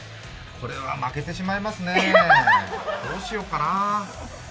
これは負けてしまいますね、どうしようかな。